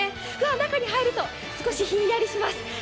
中に入ると少しひんやりします。